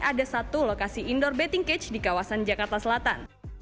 ada satu lokasi indoor betting cage di kawasan jakarta selatan